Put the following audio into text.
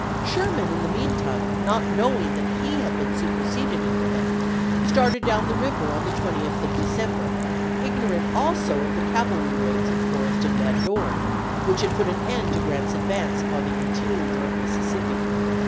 Sherman, in the mean time, not knowing that he had been superseded in command, started down the river on the 20th of December, ignorant also of the cavalry raids of Forrest and Van Dorn, which had put an end to Grant's advance upon the ibid., p. U3. interior of Mississippi.